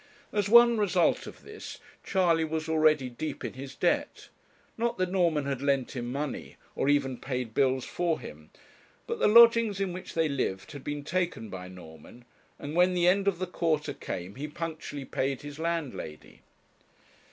As one result of this, Charley was already deep in his debt. Not that Norman had lent him money, or even paid bills for him; but the lodgings in which they lived had been taken by Norman, and when the end of the quarter came he punctually paid his landlady.